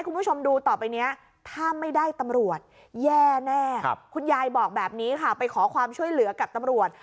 คุณยายบอกแบบนี้ค่ะไปขอความช่วยเหลือกับตำรวจ